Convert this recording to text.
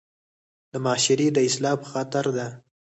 د معاشري د اصلاح پۀ خاطر ده